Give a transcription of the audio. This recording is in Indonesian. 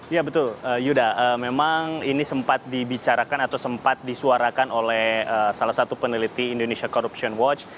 ya betul yuda memang ini sempat dibicarakan atau sempat disuarakan oleh salah satu peneliti indonesia corruption watch